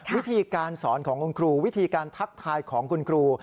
วิธีการสอนของคุณครูวิธีการทักทายของคุณครู